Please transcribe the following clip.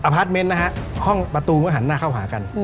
อพาสเมนต์นะฮะห้องประตูก็หันหน้าเข้าหากัน